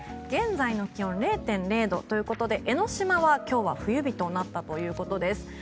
現在の気温０．０度ということで江の島は今日は冬日となったということです。